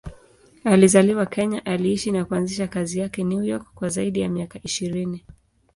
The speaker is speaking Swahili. Alizaliwa Kenya, aliishi na kuanzisha kazi zake New York kwa zaidi ya miaka ishirini.